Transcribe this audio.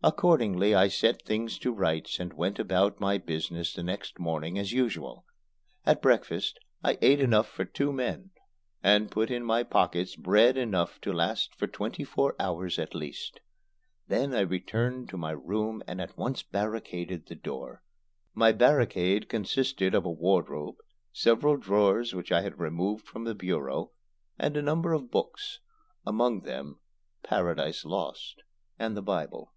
Accordingly I set things to rights and went about my business the next morning as usual. At breakfast I ate enough for two men, and put in my pockets bread enough to last for twenty four hours at least. Then I returned to my room and at once barricaded the door. My barricade consisted of a wardrobe, several drawers which I had removed from the bureau, and a number of books among them "Paradise Lost" and the Bible.